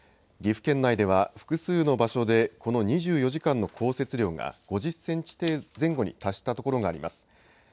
岐阜県内では複数の場所でこの２４時間の降雪量が５０センチ前後に達したところがあります。